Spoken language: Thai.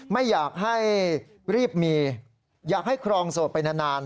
ไม่อยากให้รีบมีอยากให้ครองโสดไปนาน